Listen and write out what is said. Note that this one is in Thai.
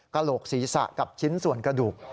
โหลกศีรษะกับชิ้นส่วนกระดูก